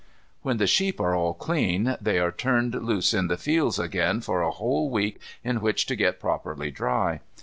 When the sheep are all clean they are turned loose in the fields again for a whole week in which to get properly dry.